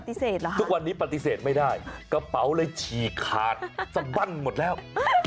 ทุกวันนี้ปฏิเสธไม่ได้กระเป๋าเลยฉีกขาดสบั้นหมดแล้ว